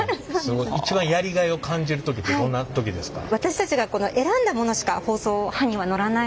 一番やりがいを感じる時ってどんな時ですか？